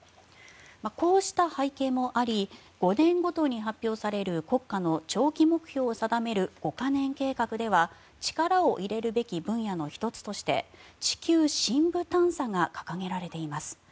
こうした背景もあり５年ごとに発表される国家の長期目標を定める五カ年計画では力を入れるべき分野の１つとして地球深部探査が掲げられています。